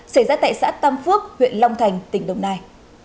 xảy ra tại xã tam phước huyện long thành tỉnh đồng nai